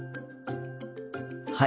はい。